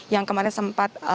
yang kemarin sempat